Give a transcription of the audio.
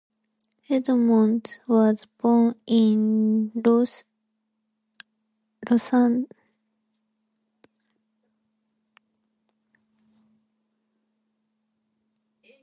Edmonds was born in Los Angeles, California.